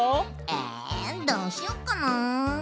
えどうしよっかな？